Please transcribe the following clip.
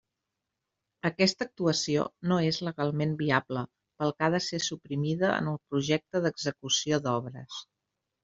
Aquesta actuació no és legalment viable pel que ha de ser suprimida en el projecte d'execució d'obres.